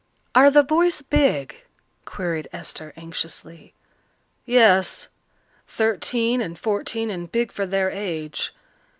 "Are the boys big?" queried Esther anxiously. "Yes. Thirteen and fourteen and big for their age.